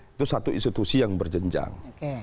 itu satu institusi yang berjenjang